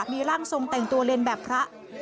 มีร่างทรงแต่งตัวเรียนแบบพระ